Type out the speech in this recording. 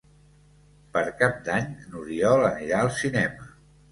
Per Cap d'Any n'Oriol anirà al cinema.